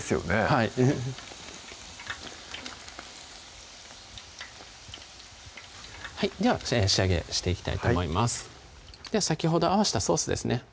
はいでは仕上げしていきたいと思いますでは先ほど合わせたソースですね